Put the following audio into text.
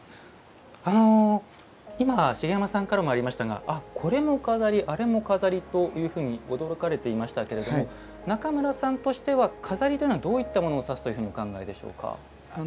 あの今茂山さんからもありましたが「あっこれも錺あれも錺」というふうに驚かれていましたけれども中村さんとしては錺というのはどういったものを指すというふうにお考えでしょうか？